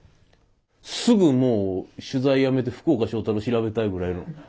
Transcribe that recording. すぐもう取材やめて福岡庄太郎調べたいぐらいの。